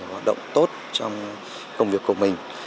hoạt động tốt trong công việc của mình